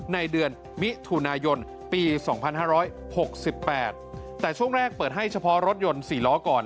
ในเดือนมิถุนายนปี๒๕๖๘แต่ช่วงแรกเปิดให้เฉพาะรถยนต์๔ล้อก่อน